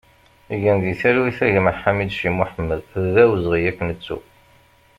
Gen di talwit a gma Ḥamideci Moḥemmed, d awezɣi ad k-nettu!